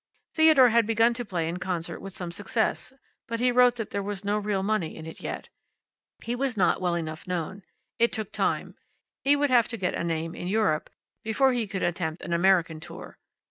Theodore had begun to play in concert with some success, but he wrote that there was no real money in it yet. He was not well enough known. It took time. He would have to get a name in Europe before he could attempt an American tour.